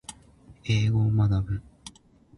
英語を学ぶ